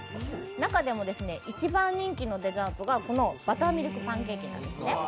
中でも、一番人気のデザートがこのバターミルクパンケーキなんです。